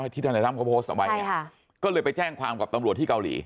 ทนายตั้มเขาโพสต์เอาไว้เนี่ยก็เลยไปแจ้งความกับตำรวจที่เกาหลี